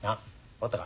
分かったか？